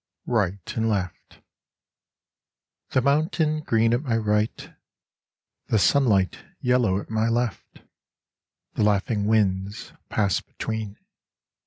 "S RIGHT AND LEFT The mountain green at my right : The sunlight yellow at my left : The laughing winds pass between.